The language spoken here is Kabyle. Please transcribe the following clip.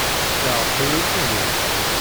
Iɛreq-iyi akk ubrid.